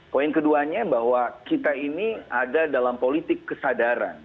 poin keduanya bahwa kita ini ada dalam politik kesadaran